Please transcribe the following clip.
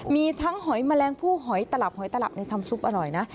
มีทั้งหอยแมลงผู้หอยตลับหอยตลับในทำซุปอร่อยนะ